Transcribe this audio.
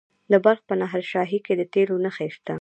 د بلخ په نهر شاهي کې د تیلو نښې شته.